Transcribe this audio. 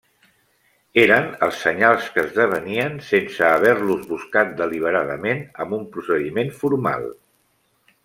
Eren els senyals que esdevenien sense haver-los buscat deliberadament amb un procediment formal.